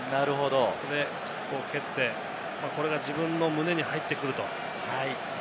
ここを蹴って、これが自分の胸に入ってくると。